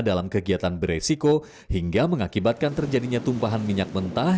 dalam kegiatan beresiko hingga mengakibatkan terjadinya tumpahan minyak mentah